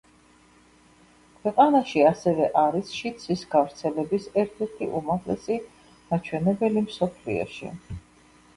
ქვეყანაში ასევე არის შიდსის გავრცელების ერთ-ერთი უმაღლესი მაჩვენებელი მსოფლიოში.